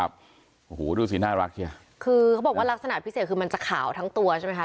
โอ้โหดูสิน่ารักเชียคือเขาบอกว่าลักษณะพิเศษคือมันจะขาวทั้งตัวใช่ไหมคะ